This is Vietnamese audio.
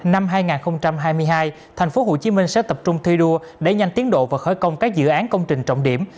năm hai nghìn hai mươi hai tp hcm sẽ tập trung thi đua đẩy nhanh tiến độ và khởi công các dự án công trình trọng điểm